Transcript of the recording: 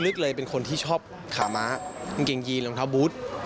ลึกเลยเป็นคนที่ชอบขาม้ากางเกงยีนรองเท้าบูธ